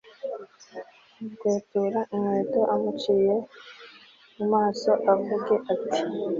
amukweture inkweto amucire mu maso avuge ati